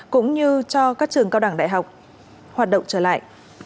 cũng như cho các trường cao đẳng đại học hoạt động trở lại